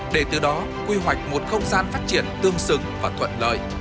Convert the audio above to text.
để từ đó quy hoạch một không gian phát triển tương xứng và thuận lợi